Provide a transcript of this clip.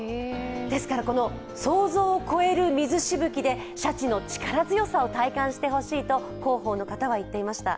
ですから、想像を超える水しぶきでシャチの力強さを体感してほしいと広報の方は言っていました。